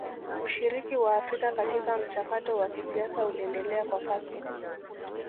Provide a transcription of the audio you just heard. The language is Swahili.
Ushiriki wa Afrika katika mchakato wa kisiasa uliendelea kwa kasi